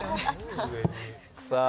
さあ。